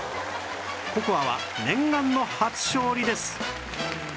ココアは念願の初勝利です